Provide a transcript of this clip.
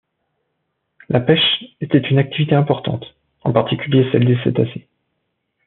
La pêche était une activité importante, en particulier celle des cétacés.